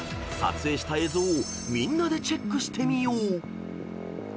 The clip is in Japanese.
［撮影した映像をみんなでチェックしてみよう］